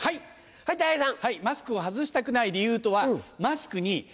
はいたい平さん。